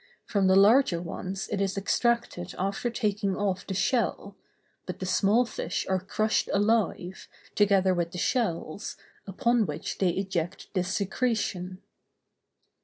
From the larger ones it is extracted after taking off the shell; but the small fish are crushed alive, together with the shells, upon which they eject this secretion.